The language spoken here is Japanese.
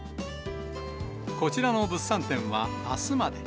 こちらの物産展はあすまで。